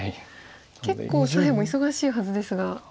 結構左辺も忙しいはずですが。